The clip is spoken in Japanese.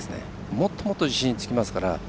もっともっと自信がつきますから。